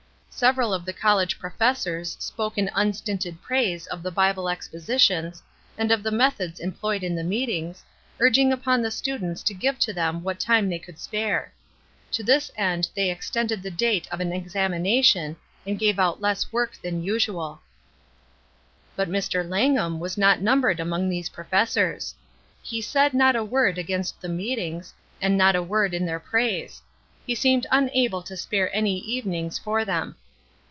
Several of the college professors spoke in unstinted praise of the Bible expositions, and of the methods employed in the meetings, urging upon the students to give to them what time they could spare. To this end they ex tended the date of an examination and gave out less work than usual. But Mr. Langham was not numbered among these professors. He said not a word against the meetings, and not a word in their praise; he seemed unable to spare any evenings for them.